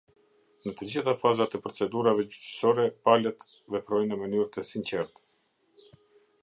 Në të gjitha fazat e procedurave gjyqësore, palët veprojnë në mënyrë të sinqertë.